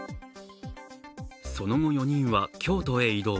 その後、４人は京都へ移動。